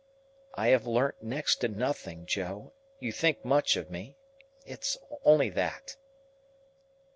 "I have learnt next to nothing, Joe. You think much of me. It's only that."